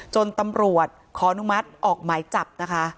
จนตำรวจขออนุมัติออกหมายจับนะคะ